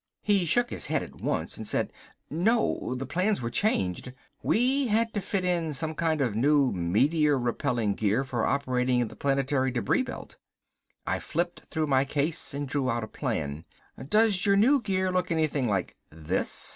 He shook his head at once and said, "No, the plans were changed. We had to fit in some kind of new meteor repelling gear for operating in the planetary debris belt." I flipped through my case and drew out a plan. "Does your new gear look anything like this?"